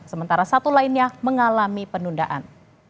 sementara satu lainnya mengalami penundaan